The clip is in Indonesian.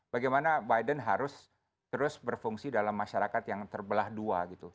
bagaimana biden harus terus berfungsi dalam masyarakat yang terbelah dua gitu